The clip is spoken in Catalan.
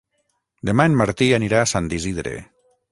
Demà en Martí anirà a Sant Isidre.